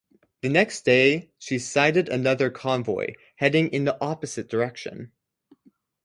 The next day, she sighted another convoy heading in the opposite direction.